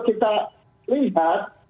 tapi kalau kita lihat